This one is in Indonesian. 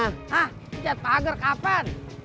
hah ngecat pagar kapan